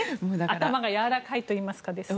頭がやわらかいというかですかね。